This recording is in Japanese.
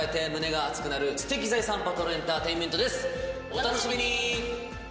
お楽しみに！